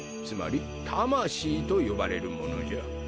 つまりたましいと呼ばれるものじゃ。